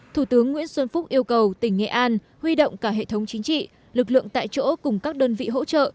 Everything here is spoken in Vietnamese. thủ tướng nguyễn xuân phúc yêu cầu tỉnh nghệ an huy động cả hệ thống chính trị lực lượng tại chỗ cùng các đơn vị hỗ trợ